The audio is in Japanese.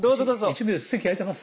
１名です。